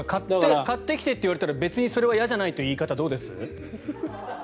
買ってきてと言われたらそれは別に嫌じゃないという言い方はどうです？